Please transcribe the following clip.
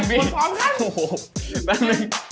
แปมแปม